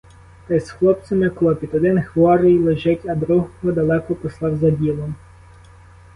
Та й з хлопцями клопіт: один хворий лежить, а другого далеко послав за ділом.